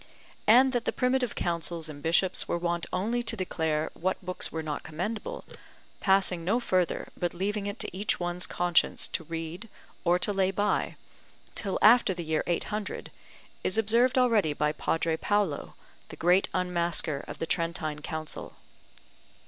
And that the primitive Councils and bishops were wont only to declare what books were not commendable, passing no further, but leaving it to each one's conscience to read or to lay by, till after the year 800, is observed already by Padre Paolo, the great unmasker of the Trentine Council.